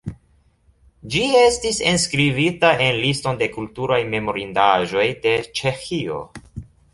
Ĝi estis enskribita en liston de kulturaj memorindaĵoj de Ĉeĥio.